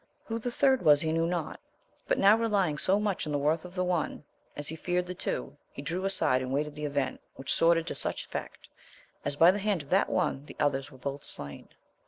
Who the third was he knew not, but not relying so much in the worth of the one, as he feared the two, he drew aside and waited the event, which sorted to such effect, as by the hand of that one the others were both slain.